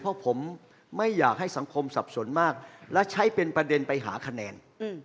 เพราะผมไม่อยากให้สังคมสับสนมากและใช้เป็นประเด็นไปหาคะแนน